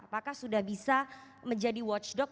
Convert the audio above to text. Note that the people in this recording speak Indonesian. apakah sudah bisa menjadi watchdog